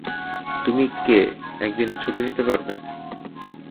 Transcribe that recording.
তুমি কে একদিনের ছুটি নিতে পারবে?